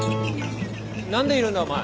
何でいるんだお前。